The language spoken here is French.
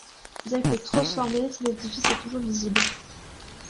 Bien que transformé, cet édifice est toujours visible.